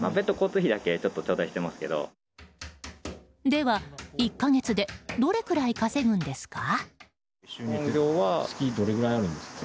では１か月でどれくらい稼ぐんですか？